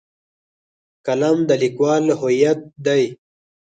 قلم د لیکوال هویت دی.